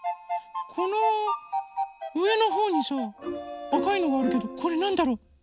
このうえのほうにさあかいのがあるけどこれなんだろ？